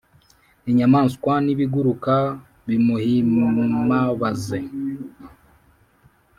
Inyamaswa nibiguruka bimuhimabaze